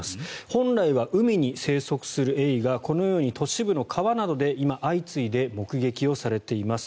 本来は海に生息するエイがこのように都市部の川などで今、相次いで目撃をされています。